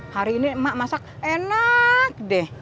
hari ini emak masak enak deh